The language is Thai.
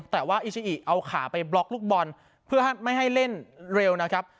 แต่ว่าอิชิอิเอาขาไปบล็อกลูกบอลเพื่อไม่ให้เล่นเร็วนะครับ